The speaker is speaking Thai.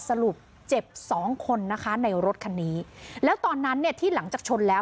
สรุปเจ็บสองคนนะคะในรถคันนี้แล้วตอนนั้นเนี่ยที่หลังจากชนแล้ว